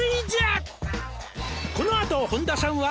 「このあと本田さんは」